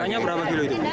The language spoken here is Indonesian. jalan kaki berapa kilo itu